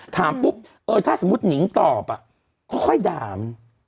ถามปุ๊บถ้าสมมุตินิงตอบค่อยด่ามัน